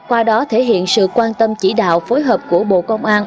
qua đó thể hiện sự quan tâm chỉ đạo phối hợp của bộ công an